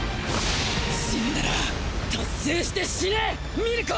死ぬなら達成して死ねミルコ！